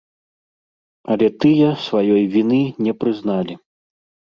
Але тыя сваёй віны не прызналі.